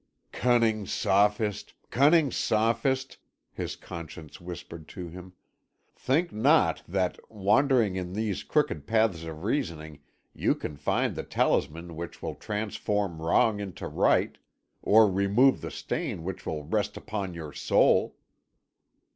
"Cunning sophist, cunning sophist!" his conscience whispered to him; "think not that, wandering in these crooked paths of reasoning, you can find the talisman which will transform wrong into right, or remove the stain which will rest upon your soul."